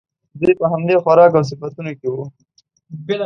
دوی په همدې خوراک او صفتونو کې وو.